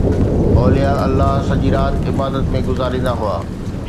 اولياء الله سڄي رات عبادت ۾ گذاريندا هئا.